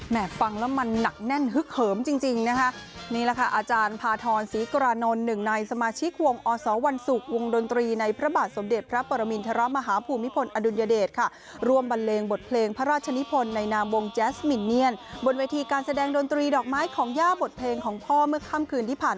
ฟังแล้วมันหนักแน่นฮึกเหิมจริงจริงนะคะนี่แหละค่ะอาจารย์พาทรศรีกรานนท์หนึ่งในสมาชิกวงอสวันศุกร์วงดนตรีในพระบาทสมเด็จพระปรมินทรมาฮภูมิพลอดุลยเดชค่ะร่วมบันเลงบทเพลงพระราชนิพลในนามวงแจ๊สมินเนียนบนเวทีการแสดงดนตรีดอกไม้ของย่าบทเพลงของพ่อเมื่อค่ำคืนที่ผ่าน